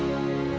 ibu pasti mau